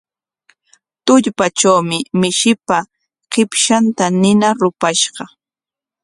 Tullpatrawmi mishipa qipshanta nina rupashqa.